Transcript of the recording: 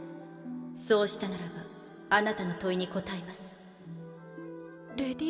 そうしたならばあなたの問いに答えますレディ